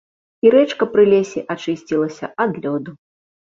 І рэчка пры лесе ачысцілася ад лёду.